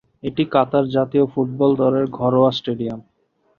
এটি কাতার জাতীয় ফুটবল দলের ঘরোয়া স্টেডিয়াম।